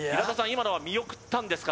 今のは見送ったんですか？